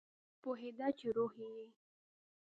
وپوهیده چې روح یې